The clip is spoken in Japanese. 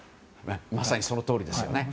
まさにそのとおりです。